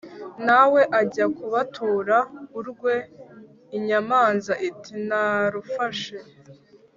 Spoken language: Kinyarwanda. na we ajya kubatura urwe, inyamanza iti ‘narufashe.’